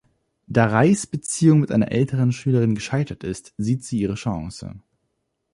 Da Reis Beziehung mit einer älteren Schülerin gescheitert ist, sieht sie ihre Chance.